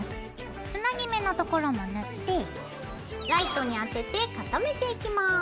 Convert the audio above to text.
つなぎ目の所も塗ってライトに当てて固めていきます。